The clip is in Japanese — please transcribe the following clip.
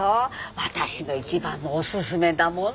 私の一番のおすすめだもの。